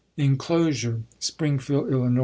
[Inclosure.J Springfield, III.